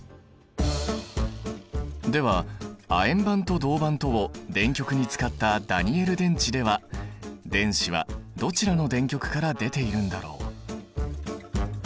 では亜鉛板と銅板とを電極に使ったダニエル電池では電子はどちらの電極から出ているんだろう？